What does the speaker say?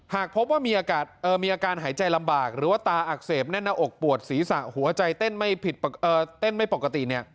หากพบว่ามีอาการหายใจลำบากหรือว่าตาอักเสบแน่นหน้าอกปวดศีรษะหัวใจเต้นไม่ผิดเต้นไม่ปกติ